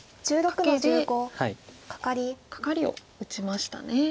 カケでカカリを打ちましたね。